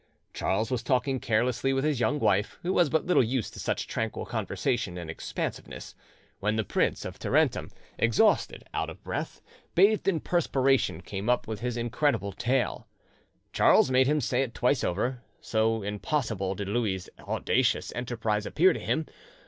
Charles was talking carelessly with his young wife, who was but little used to such tranquil conversation and expansiveness, when the Prince of Tarentum, exhausted, out of breath, bathed in perspiration, came up with his incredible tale. Charles made him say it twice over, so impossible did Louis's audacious enterprise appear to him.